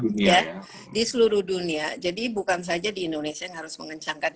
dunia di seluruh dunia di seluruh dunia jadi bukan saja di indonesia yang harus mengencangkan